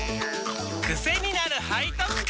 クセになる背徳感！